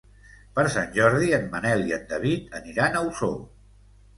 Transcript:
Per Sant Jordi en Manel i en David aniran a Osor.